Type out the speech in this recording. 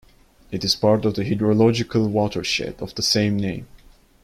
It is part of the hydrological watershed of the same name.